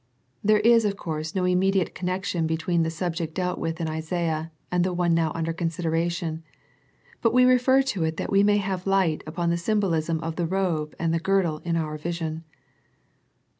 There is of course no immediate connection between the subject dealt with in Isaiah and the one now under consideration, but we refer to it that we may have light upon the symbolism of the robe and the girdle in our vision.